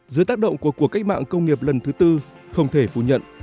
dưới tác động của cuộc cách mạng công nghiệp lần thứ tư không thể phủ nhận